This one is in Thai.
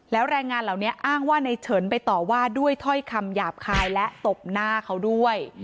แล้วแรงงานเหล่านี้อ้างว่าในเฉินไปต่อว่าด้วยถ้อยคำหยาบคายและตบหน้าเขาด้วย